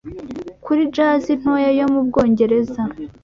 kuri jazi ntoya yo mu Bwongereza